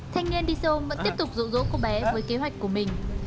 thay nhiên đi xe ôm vẫn tiếp tục dỗ dỗ cô bé với kế hoạch của mình